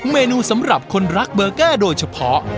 สำหรับคนรักเบอร์เกอร์โดยเฉพาะ